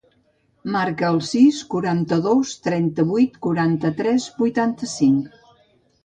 Marca el sis, quaranta-dos, trenta-vuit, quaranta-tres, vuitanta-cinc.